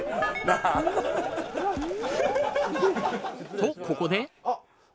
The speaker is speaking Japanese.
とここで